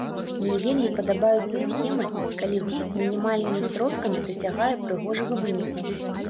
Мне вельмі падабаюцца схемы, калі гурт мінімальнымі сродкамі дасягае прыгожага выніку.